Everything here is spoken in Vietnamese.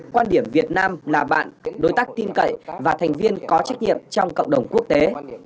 quan điểm việt nam là bạn đối tác tin cậy và thành viên có trách nhiệm trong cộng đồng quốc tế